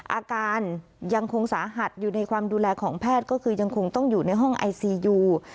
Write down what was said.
อาการยังคงสาหัสอยู่ในความดูแลของแพทย์ก็คือยังคงต้องอยู่ในห้องไอซียู